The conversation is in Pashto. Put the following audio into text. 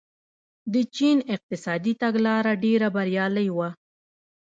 د چین اقتصادي تګلاره ډېره بریالۍ وه.